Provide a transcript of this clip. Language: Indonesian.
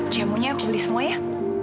jamunya aku beli semua ya